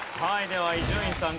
では伊集院さん